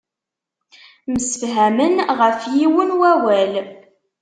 Msefhamen ɣef yiwen n wawal.